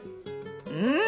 うん！